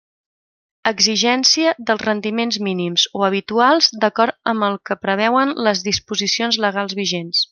Exigència dels rendiments mínims o habituals d'acord amb el que preveuen les disposicions legals vigents.